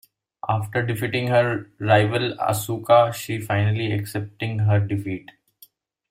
After defeating her rival Asuka, she finally accepting her defeat.